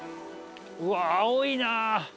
うわっ青いな。